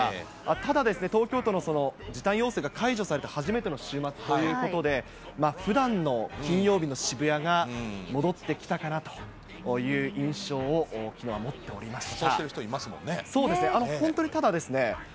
ただですね、東京都の時短要請が解除されて初めての週末ということで、ふだんの金曜日の渋谷が戻ってきたかなという印象をきのうは持っておりました。